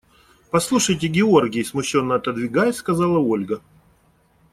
– Послушайте, Георгий, – смущенно отодвигаясь, сказала Ольга.